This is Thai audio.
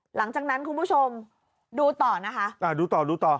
หลังจากนั้นคุณผู้ชมดูต่อนะคะอ่าดูต่อดูต่อ